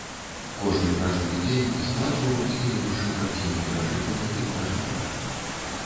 Кожны пражыты дзень згладжваў з яе душы карціны перажытага і пражытага.